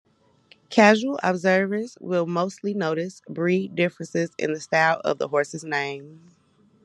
Casual observers will mostly notice breed differences in the style of the horse's mane.